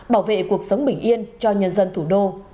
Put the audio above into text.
bảo vệ cuộc sống bình yên cho nhân dân thủ đô